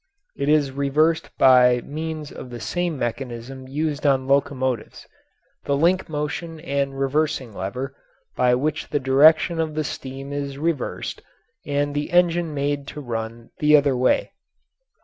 It is reversed by means of the same mechanism used on locomotives the link motion and reversing lever, by which the direction of the steam is reversed and the engine made to run the other way.